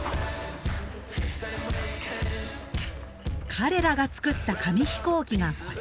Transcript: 彼らが作った紙飛行機がこちら。